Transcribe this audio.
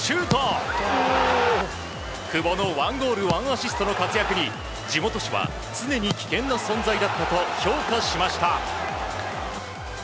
１アシストの活躍に地元紙は常に危険な存在だったと評価しました。